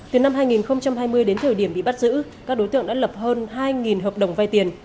từ năm hai nghìn hai mươi đến thời điểm bị bắt giữ các đối tượng đã lập hơn hai hợp đồng vay tiền